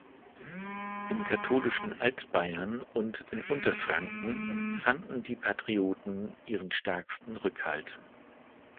Im katholischen Altbayern und in Unterfranken fanden die Patrioten ihren stärksten Rückhalt.